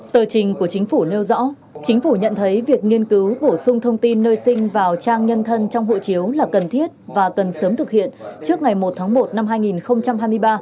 tờ trình của chính phủ nêu rõ chính phủ nhận thấy việc nghiên cứu bổ sung thông tin nơi sinh vào trang nhân thân trong hộ chiếu là cần thiết và cần sớm thực hiện trước ngày một tháng một năm hai nghìn hai mươi ba